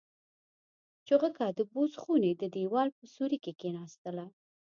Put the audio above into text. چوغکه د بوس خونې د دېوال په سوري کې کېناستله.